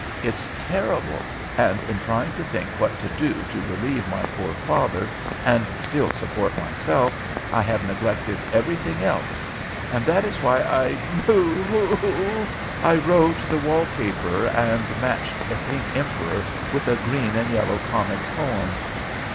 It's terrible, and in trying to think what to do to relieve my poor father and still support myself I have neglected everything else, and that is why I boo hoo! I wrote the wall paper and matched a pink Emperor with a green and yellow comic poem."